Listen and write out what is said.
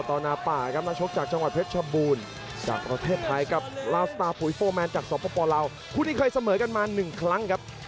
โอ้คุณแค่มาด้วยที่เห็น